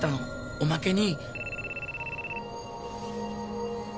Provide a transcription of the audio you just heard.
おまけに。